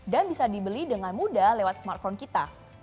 dan bisa dibeli dengan mudah lewat smartphone kita